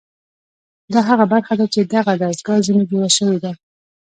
دا هغه برخه ده چې دغه دستګاه ځنې جوړه شوې ده